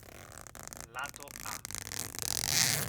Lato A